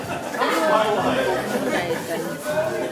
amwoe kounii kobunu naitaenyu